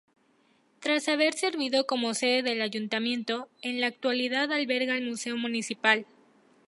Tras haber servido como sede del ayuntamiento, en la actualidad alberga el museo municipal.